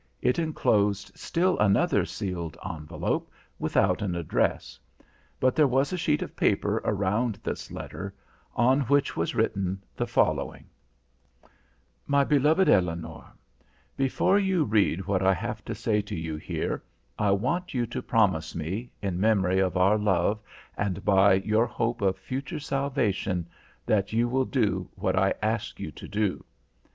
It enclosed still another sealed envelope, without an address. But there was a sheet of paper around this letter, on which was written the following: My beloved Eleonore: Before you read what I have to say to you here I want you to promise me, in memory of our love and by your hope of future salvation, that you will do what I ask you to do.